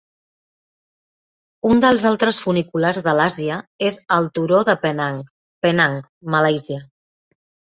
Un dels altres funiculars de l'Àsia és al turó de Penang, Penang, Malàisia.